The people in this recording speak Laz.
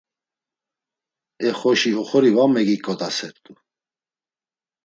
E xoşi oxori va megiǩodasert̆u!